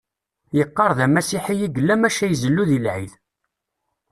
Yeqqar d amasiḥi i yella maca izellu deg lɛid